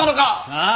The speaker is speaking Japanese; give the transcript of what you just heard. ああ